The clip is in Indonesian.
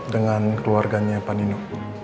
dengan keluarganya pak nino